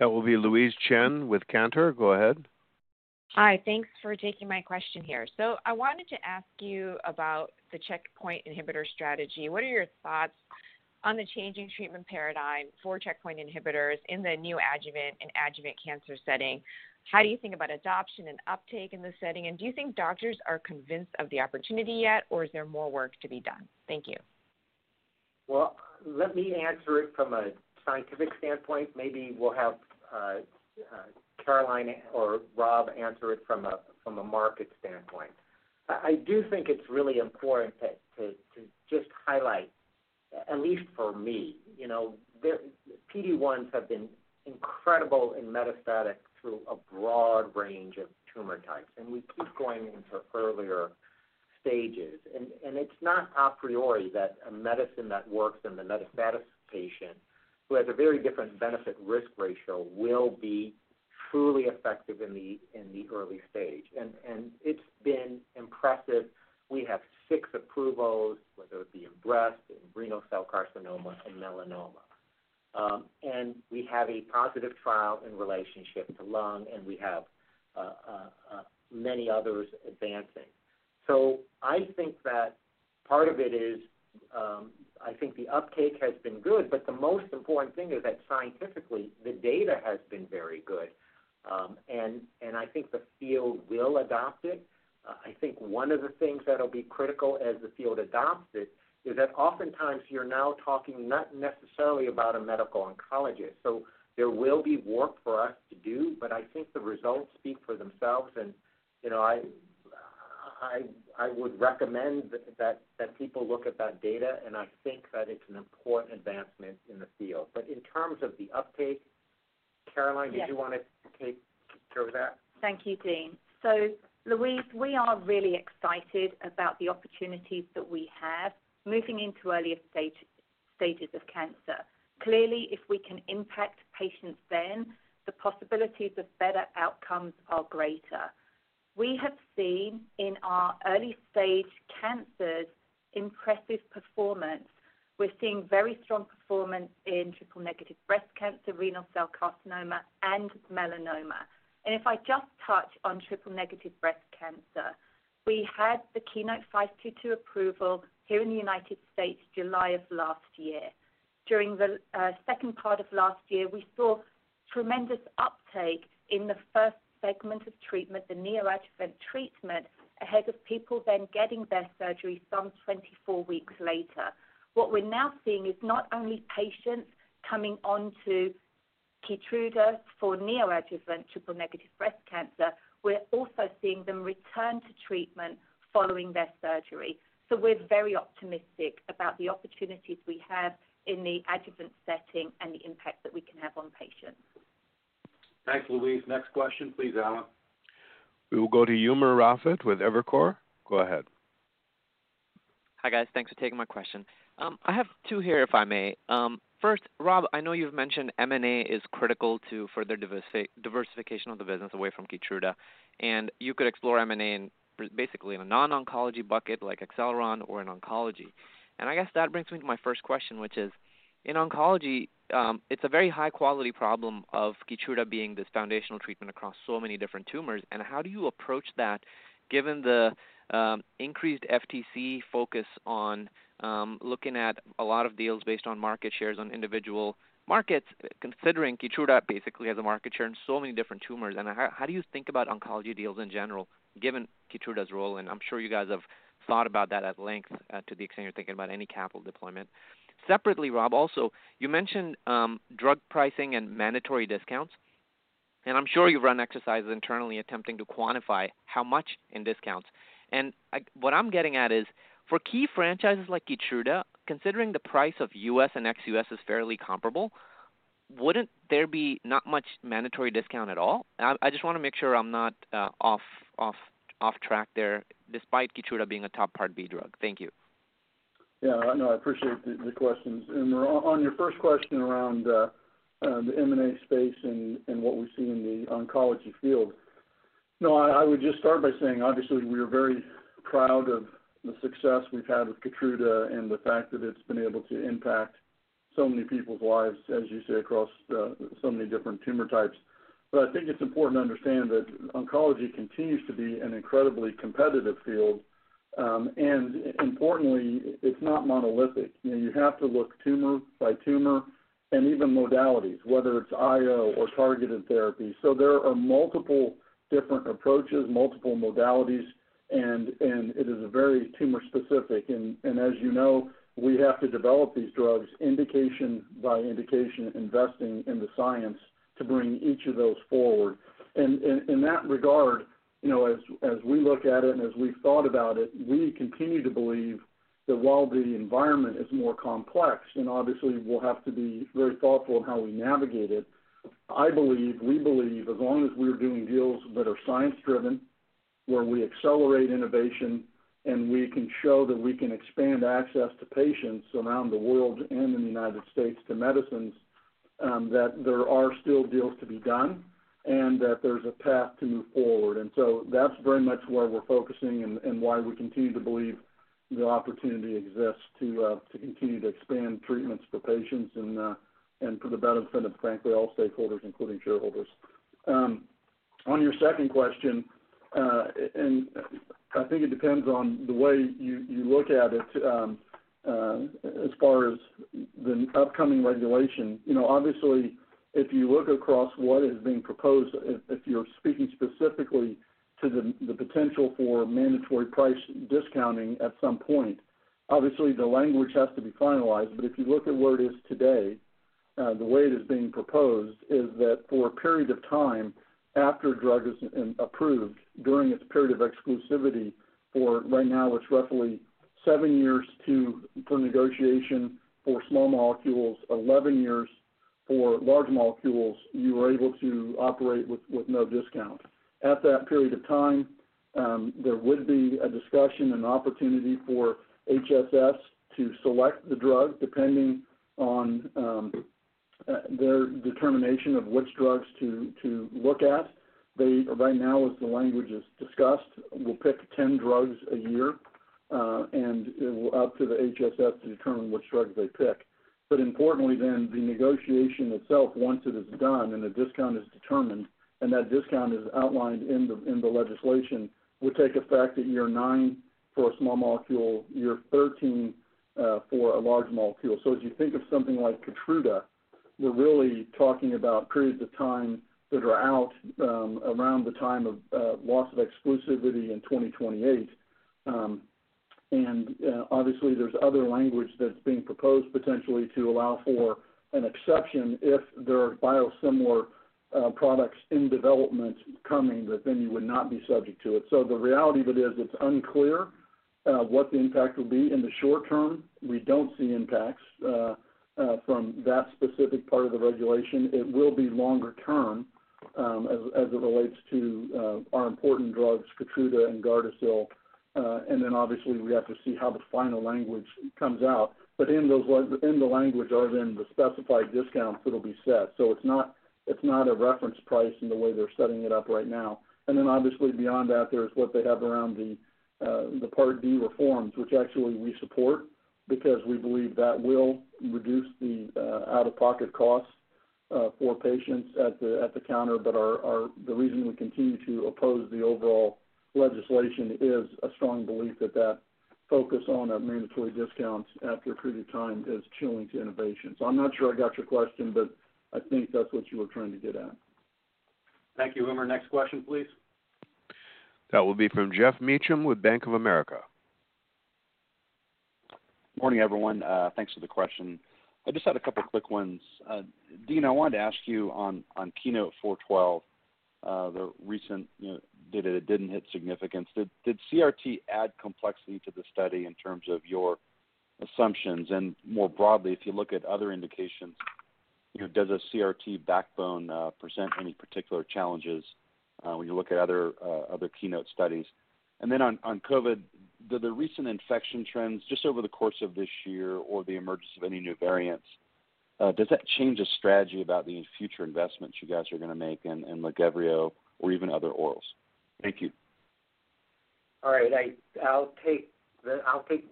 That will be Louise Chen with Cantor. Go ahead. Hi. Thanks for taking my question here. I wanted to ask you about the checkpoint inhibitor strategy. What are your thoughts on the changing treatment paradigm for checkpoint inhibitors in the neoadjuvant and adjuvant cancer setting? How do you think about adoption and uptake in this setting? Do you think doctors are convinced of the opportunity yet, or is there more work to be done? Thank you. Well, let me answer it from a scientific standpoint. Maybe we'll have Caroline or Rob answer it from a market standpoint. I do think it's really important to just highlight, at least for me,, the PD-1s have been incredible in metastatic through a broad range of tumor types, and we keep going into earlier stages. It's not a priori that a medicine that works in the metastatic patient who has a very different benefit risk ratio will be truly effective in the early stage. It's been impressive. We have six approvals, whether it be in breast, in renal cell carcinoma, and melanoma. We have a positive trial in relationship to lung, and we have many others advancing. I think that part of it is, I think the uptake has been good, but the most important thing is that scientifically, the data has been very good. I think the field will adopt it. I think one of the things that'll be critical as the field adopts it is that oftentimes you're now talking not necessarily about a medical oncologist. There will be work for us to do, but I think the results speak for themselves. I would recommend that people look at that data, and I think that it's an important advancement in the field. In terms of the uptake, Caroline- Yes. Did you wanna take care of that? Thank you, Dean. Louise, we are really excited about the opportunities that we have moving into earlier stages of cancer. Clearly, if we can impact patients then, the possibilities of better outcomes are greater. We have seen in our early stage cancers impressive performance. We're seeing very strong performance in triple-negative breast cancer, renal cell carcinoma, and melanoma. If I just touch on triple-negative breast cancer, we had the KEYNOTE-522 approval here in the United States, July of last year. During the second part of last year, we saw tremendous uptake in the first segment of treatment, the neoadjuvant treatment, ahead of people then getting their surgery some 24 weeks later. What we're now seeing is not only patients coming onto KEYTRUDA for neoadjuvant triple-negative breast cancer, we're also seeing them return to treatment following their surgery. We're very optimistic about the opportunities we have in the adjuvant setting and the impact that we can have on patients. Thanks, Louise. Next question please, Allen. We will go to Umer Raffat with Evercore. Go ahead. Hi, guys. Thanks for taking my question. I have two here, if I may. First, Rob, I know you've mentioned M&A is critical to further diversification of the business away from KEYTRUDA, and you could explore M&A in basically a non-oncology bucket like Acceleron or in oncology. I guess that brings me to my first question, which is in oncology, it's a very high-quality problem of KEYTRUDA being this foundational treatment across so many different tumors. How do you approach that given the increased FTC focus on looking at a lot of deals based on market shares on individual markets, considering KEYTRUDA basically has a market share in so many different tumors? How do you think about oncology deals in general, given KEYTRUDA's role? I'm sure you guys have thought about that at length, to the extent you're thinking about any capital deployment. Separately, Rob, also, you mentioned, drug pricing and mandatory discounts, and I'm sure you've run exercises internally attempting to quantify how much in discounts. What I'm getting at is, for key franchises like KEYTRUDA, considering the price of U.S. and ex-U.S. is fairly comparable, wouldn't there be not much mandatory discount at all? I just wanna make sure I'm not off track there despite KEYTRUDA being a top Part B drug. Thank you. Yeah, no, I appreciate the questions. On your first question around the M&A space and what we see in the oncology field, no, I would just start by saying, obviously, we are very proud of the success we've had with Keytruda and the fact that it's been able to impact so many people's lives, as you say, across so many different tumor types. But I think it's important to understand that oncology continues to be an incredibly competitive field, and importantly, it's not monolithic. You have to look tumor by tumor and even modalities, whether it's IO or targeted therapy. There are multiple different approaches, multiple modalities, and it is very tumor specific. As we have to develop these drugs indication by indication, investing in the science to bring each of those forward. In that regard, as we look at it and as we've thought about it, we continue to believe that while the environment is more complex, and obviously we'll have to be very thoughtful in how we navigate it, I believe, we believe as long as we're doing deals that are science-driven, where we accelerate innovation, and we can show that we can expand access to patients around the world and in the United States to medicines, that there are still deals to be done, and that there's a path to move forward. That's very much where we're focusing and why we continue to believe the opportunity exists to continue to expand treatments for patients and for the benefit of, frankly, all stakeholders, including shareholders. On your second question, I think it depends on the way you look at it, as far as the upcoming regulation Obviously, if you look across what is being proposed, if you're speaking specifically to the potential for mandatory price discounting at some point, obviously the language has to be finalized. If you look at where it is today, the way it is being proposed is that for a period of time after a drug is approved during its period of exclusivity for right now, it's roughly seven years for negotiation for small molecules, 11 years for large molecules, you are able to operate with no discount. At that period of time, there would be a discussion and opportunity for HHS to select the drug, depending on their determination of which drugs to look at. They, right now, as the language is discussed, will pick 10 drugs a year, and it will be up to the HHS to determine which drugs they pick. Importantly then, the negotiation itself, once it is done and the discount is determined, and that discount is outlined in the legislation, will take effect at year 9 for a small molecule, year 13 for a large molecule. As you think of something like KEYTRUDA, we're really talking about periods of time that are out around the time of loss of exclusivity in 2028. Obviously there's other language that's being proposed potentially to allow for an exception if there are biosimilar products in development coming that then you would not be subject to it. The reality of it is it's unclear what the impact will be. In the short term, we don't see impacts from that specific part of the regulation. It will be longer term, as it relates to our important drugs, KEYTRUDA and GARDASIL. Obviously, we have to see how the final language comes out. In the language are then the specified discounts that will be set. It's not a reference price in the way they're setting it up right now. Obviously beyond that, there's what they have around the Part D reforms, which actually we support because we believe that will reduce the out-of-pocket costs for patients at the counter. Our the reason we continue to oppose the overall legislation is a strong belief that that focus on a mandatory discounts after a period of time is chilling to innovation. I'm not sure I got your question, but I think that's what you were trying to get at. Thank you. Umer, next question, please. That will be from Geoff Meacham with Bank of America. Morning, everyone. Thanks for the question. I just had a couple of quick ones. Dean, I wanted to ask you on KEYNOTE-412, the recent, data that didn't hit significance. Did CRT add complexity to the study in terms of your assumptions? More broadly, if you look at other indications, does a CRT backbone present any particular challenges when you look at other KEYNOTE studies? On COVID, do the recent infection trends just over the course of this year or the emergence of any new variants does that change the strategy about the future investments you guys are gonna make in LAGEVRIO or even other orals? Thank you. All right. I'll take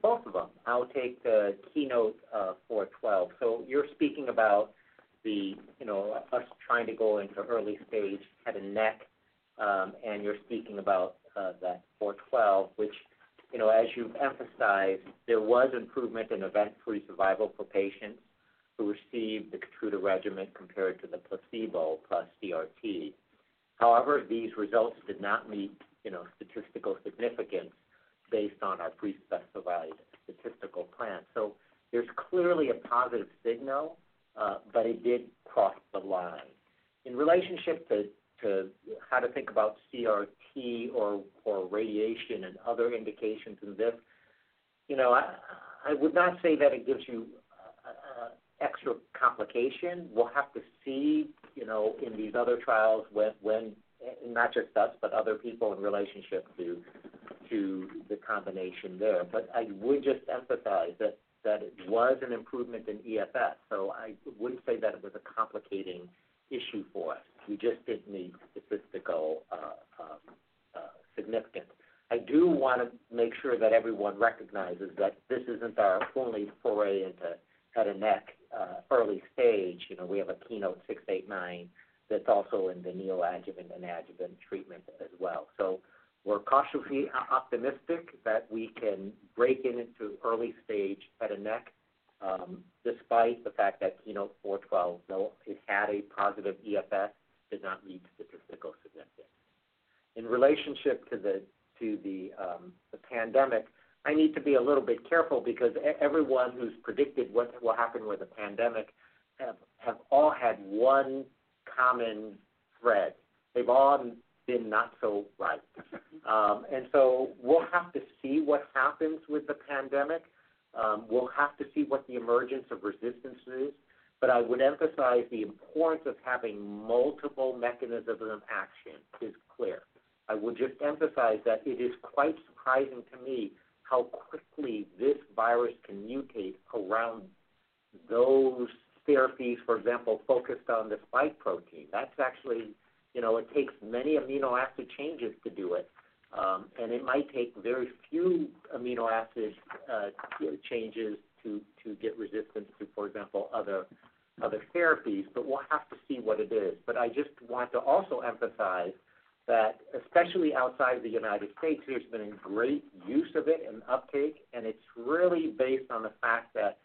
both of them. I'll take KEYNOTE-412. You're speaking about us trying to go into early stage head and neck, and you're speaking about that KEYNOTE-412, which,, as you've emphasized, there was improvement in event-free survival for patients who received the KEYTRUDA regimen compared to the placebo plus CRT. However, these results did not meet, statistical significance based on our pre-specified statistical plan. There's clearly a positive signal, but it did cross the line. In relationship to how to think about CRT or radiation and other indications in this, I would not say that it gives you extra complication. We'll have to see, in these other trials when. Not just us, but other people in relationship to the combination there. I would just emphasize that it was an improvement in EFS. I wouldn't say that it was a complicating issue for us. We just didn't meet statistical significance. I do wanna make sure that everyone recognizes that this isn't our only foray into head and neck early stage. We have a KEYNOTE-689 that's also in the neoadjuvant and adjuvant treatment as well. We're cautiously optimistic that we can break into early stage head and neck, despite the fact that KEYNOTE-412, though it had a positive EFS, did not meet statistical significance. In relationship to the pandemic, I need to be a little bit careful because everyone who's predicted what will happen with the pandemic have all had one common thread. They've all been not so right. We'll have to see what happens with the pandemic. We'll have to see what the emergence of resistance is. I would emphasize the importance of having multiple mechanisms of action is clear. I would just emphasize that it is quite surprising to me how quickly this virus can mutate around those therapies, for example, focused on the spike protein. That's actually it takes many amino acid changes to do it, and it might take very few amino acids changes to get resistance to, for example, other therapies, but we'll have to see what it is. I just want to also emphasize that especially outside the United States, there's been great use of it and uptake, and it's really based on the fact that,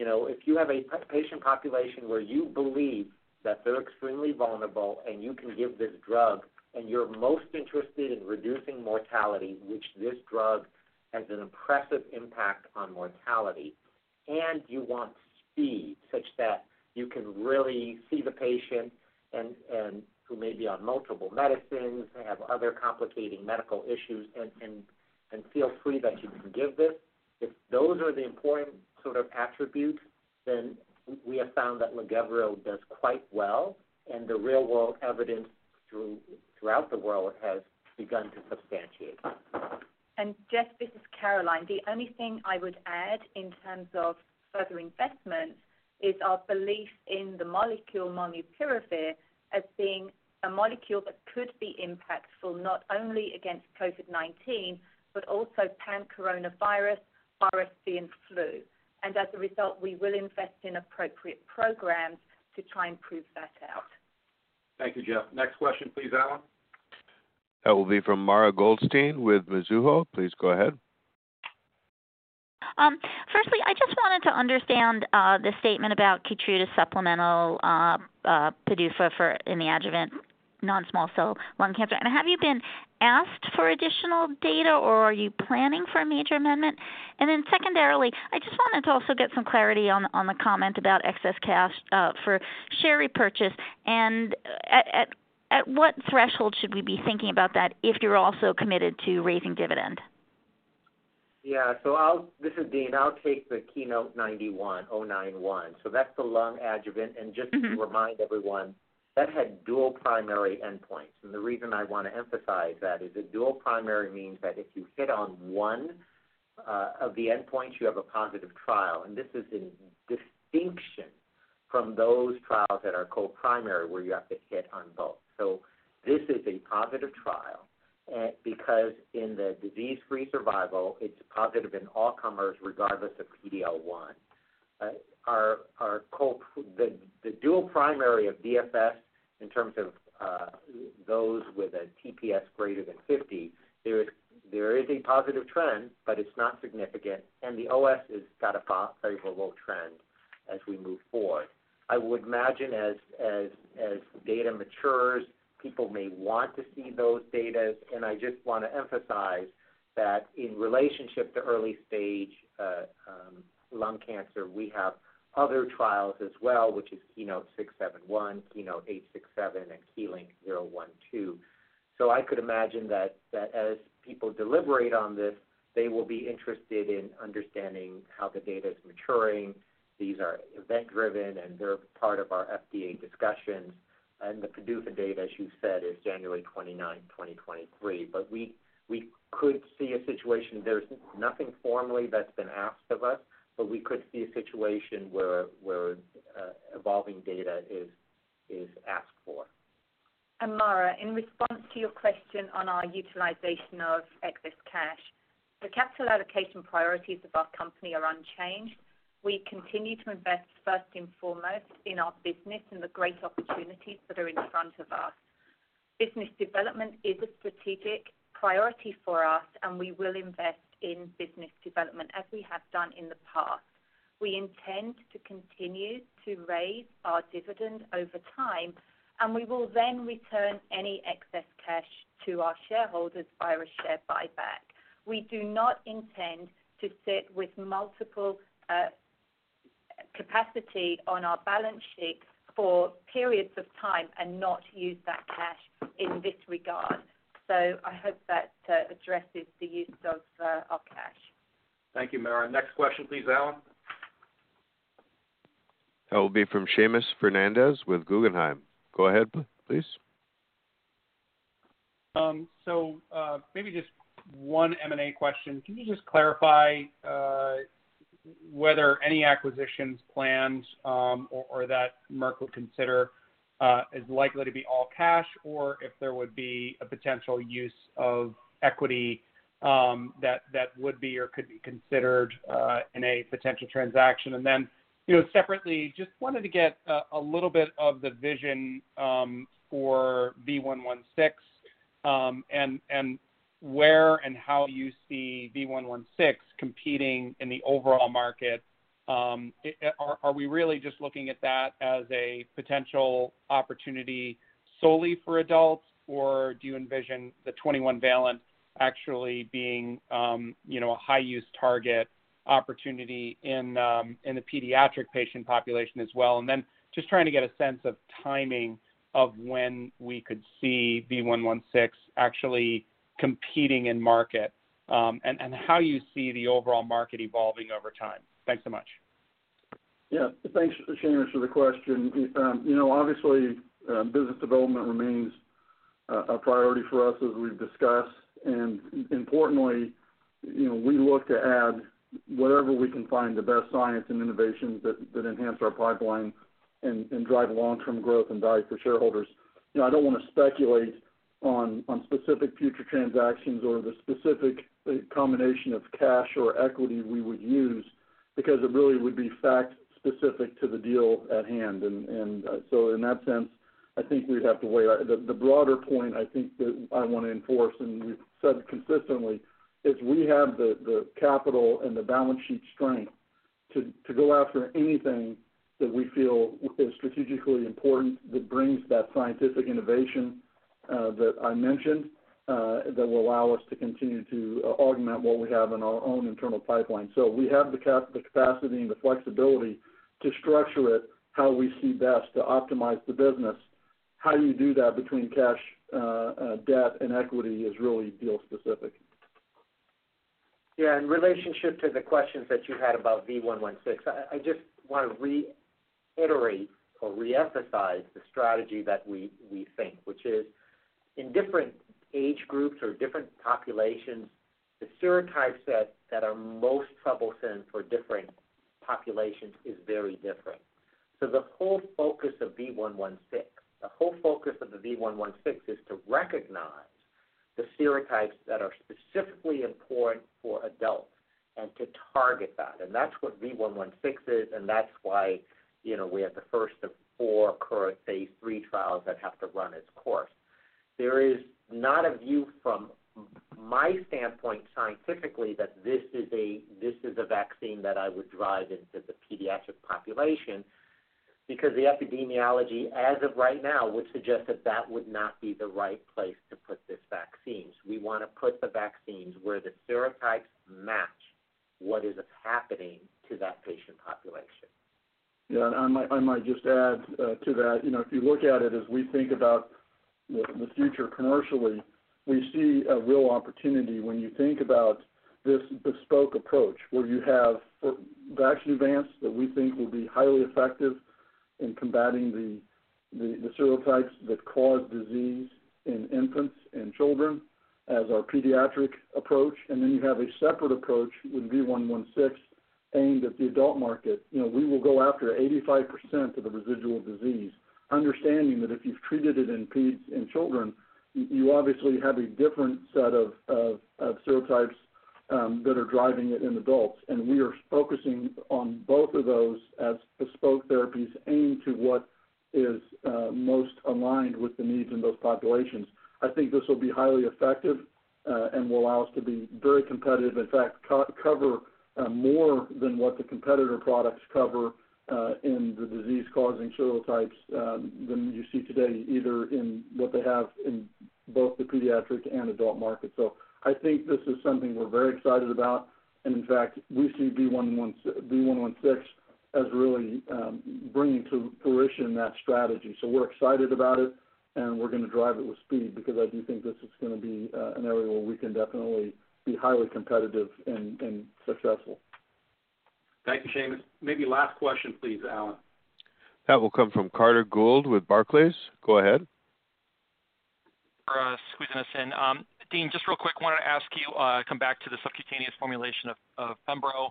if you have a patient population where you believe that they're extremely vulnerable and you can give this drug and you're most interested in reducing mortality, which this drug has an impressive impact on mortality, and you want speed such that you can really see the patient and who may be on multiple medicines, have other complicating medical issues and feel free to give this. If those are the important sort of attributes, then we have found that LAGEVRIO does quite well, and the real-world evidence throughout the world has begun to substantiate that. Geoff, this is Caroline. The only thing I would add in terms of further investment is our belief in the molecule, molnupiravir, as being a molecule that could be impactful not only against COVID-19, but also pan-coronavirus, RSV and flu. As a result, we will invest in appropriate programs to try and prove that out. Thank you, Geoff. Next question, please, Allen. That will be from Mara Goldstein with Mizuho. Please go ahead. First, I just wanted to understand the statement about Keytruda supplemental PDUFA for the adjuvant non-small cell lung cancer. Have you been asked for additional data or are you planning for a major amendment? Secondarily, I just wanted to also get some clarity on the comment about excess cash for share repurchase. At what threshold should we be thinking about that if you're also committed to raising dividend? This is Dean. I'll take the KEYNOTE-091. That's the lung adjuvant. Just to remind everyone, that had dual primary endpoints. The reason I want to emphasize that is a dual primary means that if you hit on one of the endpoints, you have a positive trial. This is in distinction from those trials that are co-primary, where you have to hit on both. This is a positive trial because in the disease-free survival, it's positive in all comers, regardless of PD-L1. The dual primary of DFS in terms of those with a TPS greater than 50, there is a positive trend, but it's not significant, and the OS has got a favorable trend as we move forward. I would imagine as data matures, people may want to see those data. I just want to emphasize that in relationship to early stage lung cancer, we have other trials as well, which is KEYNOTE-671, KEYNOTE-867, and KEYLYNK-012. I could imagine that as people deliberate on this, they will be interested in understanding how the data is maturing. These are event-driven, and they're part of our FDA discussions. The PDUFA date, as you said, is January 29, 2023. We could see a situation. There's nothing formally that's been asked of us, but we could see a situation where evolving data is asked for. Mara, in response to your question on our utilization of excess cash, the capital allocation priorities of our company are unchanged. We continue to invest first and foremost in our business and the great opportunities that are in front of us. Business development is a strategic priority for us, and we will invest in business development as we have done in the past. We intend to continue to raise our dividend over time, and we will then return any excess cash to our shareholders via a share buyback. We do not intend to sit with multiple capacity on our balance sheet for periods of time and not use that cash in this regard. I hope that addresses the use of our cash. Thank you, Mara. Next question, please, Allen. That will be from Seamus Fernandez with Guggenheim. Go ahead, please. Maybe just one M&A question. Can you just clarify whether any acquisitions plans or that Merck will consider is likely to be all cash or if there would be a potential use of equity that would be or could be considered in a potential transaction? Separately, just wanted to get a little bit of the vision for V116 and where and how you see V116 competing in the overall market. Are we really just looking at that as a potential opportunity solely for adults, or do you envision the 21-valent actually being a high-use target opportunity in the pediatric patient population as well? Just trying to get a sense of timing of when we could see V116 actually competing in market, and how you see the overall market evolving over time. Thanks so much. Yeah. Thanks, Seamus, for the question. Obviously, business development remains a priority for us, as we've discussed. Importantly, we look to add whatever we can find the best science and innovations that enhance our pipeline and drive long-term growth and value for shareholders. I don't wanna speculate on specific future transactions or the specific combination of cash or equity we would use because it really would be fact specific to the deal at hand. In that sense, I think we'd have to wait. The broader point I think that I wanna enforce, and we've said consistently, is we have the capital and the balance sheet strength to go after anything that we feel is strategically important that brings that scientific innovation that I mentioned that will allow us to continue to augment what we have in our own internal pipeline. We have the capacity and the flexibility to structure it how we see best to optimize the business. How you do that between cash, debt and equity is really deal specific. Yeah, in relationship to the questions that you had about V116, I just wanna reiterate or reemphasize the strategy that we think, which is in different age groups or different populations, the serotypes that are most troublesome for different populations is very different. So the whole focus of V116 is to recognize the serotypes that are specifically important for adults and to target that. And that's what V116 is, and that's why, we have the first of four current Phase III trials that have to run its course. There is not a view from my standpoint scientifically that this is a vaccine that I would drive into the pediatric population because the epidemiology, as of right now, would suggest that that would not be the right place to put this vaccine. We wanna put the vaccines where the serotypes match what is happening to that patient population. Yeah, I might just add to that. If you look at it as we think about the future commercially, we see a real opportunity when you think about this bespoke approach where you have VAXNEUVANCE that we think will be highly effective in combating the serotypes that cause disease in infants and children as our pediatric approach, and then you have a separate approach with V116 aimed at the adult market. We will go after 85% of the residual disease, understanding that if you've treated it in peds, in children, you obviously have a different set of serotypes that are driving it in adults. We are focusing on both of those as bespoke therapies aimed to what is most aligned with the needs in those populations. I think this will be highly effective, and will allow us to be very competitive, in fact, cover more than what the competitor products cover, in the disease-causing serotypes, than you see today, either in what they have in both the pediatric and adult market. I think this is something we're very excited about, and in fact, we see V116 as really, bringing to fruition that strategy. We're excited about it, and we're gonna drive it with speed because I do think this is gonna be, an area where we can definitely be highly competitive and successful. Thank you, Seamus. Maybe last question, please, Allen. That will come from Carter Gould with Barclays. Go ahead. Thanks for squeezing us in. Dean, just real quick, wanted to ask you, come back to the subcutaneous formulation of Pembro.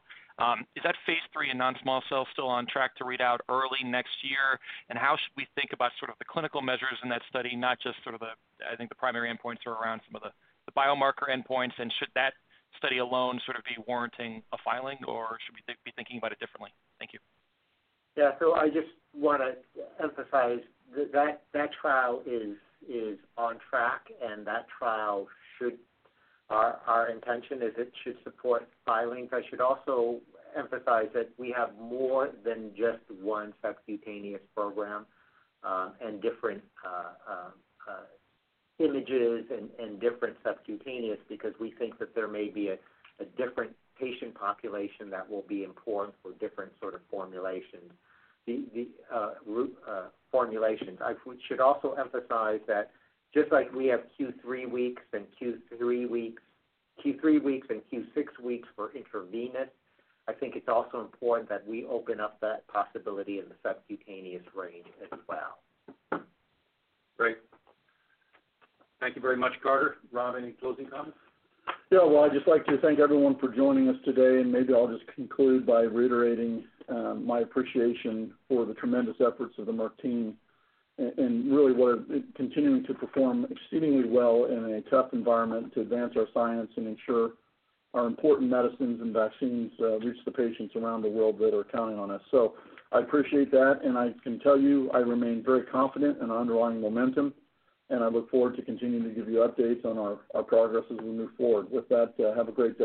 Is that Phase III in non-small cell still on track to read out early next year? How should we think about sort of the clinical measures in that study, not just sort of the, I think the primary endpoints are around some of the biomarker endpoints, and should that study alone sort of be warranting a filing, or should we be thinking about it differently? Thank you. I just want to emphasize that trial is on track, and that trial should support filings. Our intention is it should support filings. I should also emphasize that we have more than just one subcutaneous program, and different indications and different subcutaneous because we think that there may be a different patient population that will be important for different sort of formulations. The route formulations. We should also emphasize that just like we have Q3 weeks and Q6 weeks for intravenous, I think it's also important that we open up that possibility in the subcutaneous range as well. Great. Thank you very much, Carter. Rob, any closing comments? Yeah. Well, I'd just like to thank everyone for joining us today, and maybe I'll just conclude by reiterating my appreciation for the tremendous efforts of the Merck team and really we're continuing to perform exceedingly well in a tough environment to advance our science and ensure our important medicines and vaccines reach the patients around the world that are counting on us. I appreciate that, and I can tell you, I remain very confident in our underlying momentum, and I look forward to continuing to give you updates on our progress as we move forward. With that, have a great day.